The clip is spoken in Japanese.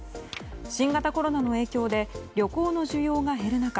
新型コロナの影響で旅行の需要が減る中